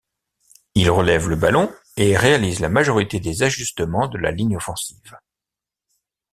Il relève le ballon et réalise la majorité des ajustements de la ligne offensive.